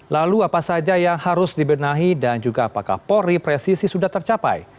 lalu apa saja yang harus dibenahi dan juga apakah polri presisi sudah tercapai